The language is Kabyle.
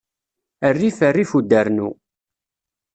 Rrif rrif udarnu.